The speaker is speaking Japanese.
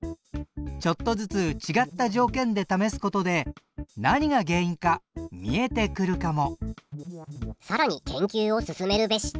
ちょっとずつ違った条件で試すことで何が原因か見えてくるかも！